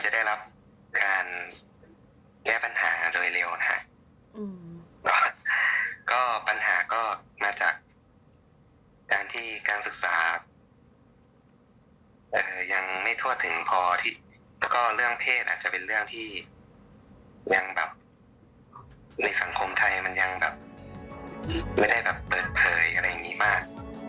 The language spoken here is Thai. สังคมไทยมันยังไม่ได้เปิดเผยอะไรอย่างนี้มาก